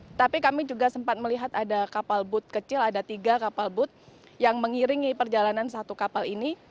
tetapi kami juga sempat melihat ada kapal booth kecil ada tiga kapal booth yang mengiringi perjalanan satu kapal ini